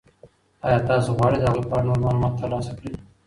آیا تاسو غواړئ د هغوی په اړه نور معلومات ترلاسه کړئ؟